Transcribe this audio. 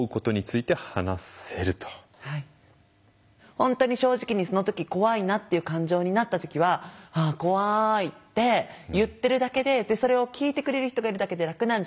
本当に正直にその時怖いなっていう感情になった時は「怖い」って言ってるだけででそれを聞いてくれる人がいるだけで楽なんじゃないかなって。